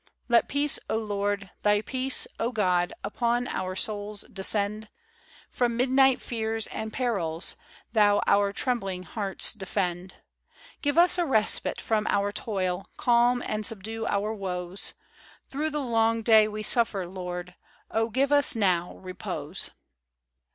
Let peace, O Lord, Thy peace, O God, Upon our souls descend; From midnight fears and perils, Thou Our trembling hearts defend; Give us a respite from our toil, Calm and subdue our woes ; Through the long day we suffer, Lord, O give us now repose.